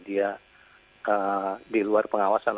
dia di luar pengawasan